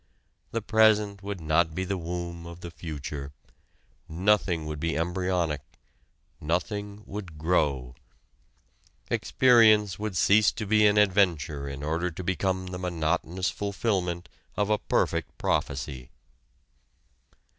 The present would not be the womb of the future: nothing would be embryonic, nothing would grow. Experience would cease to be an adventure in order to become the monotonous fulfilment of a perfect prophecy.